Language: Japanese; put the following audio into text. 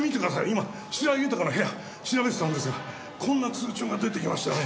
今白井豊の部屋調べてたんですがこんな通帳が出てきましてね。